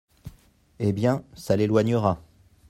Eh ! bien, ça l’éloignera.